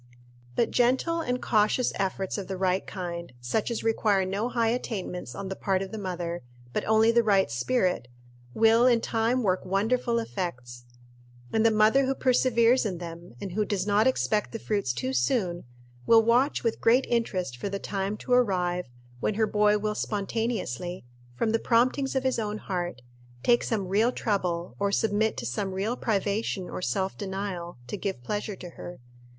But gentle and cautious efforts of the right kind such as require no high attainments on the part of the mother, but only the right spirit will in time work wonderful effects; and the mother who perseveres in them, and who does not expect the fruits too soon, will watch with great interest for the time to arrive when her boy will spontaneously, from the promptings of his own heart, take some real trouble, or submit to some real privation or self denial, to give pleasure to her.